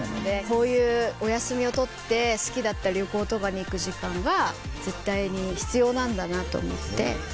こういうお休みを取って好きだった旅行とかに行く時間は絶対に必要なんだなと思って。